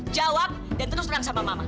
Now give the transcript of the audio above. jawab dan terus terang sama mama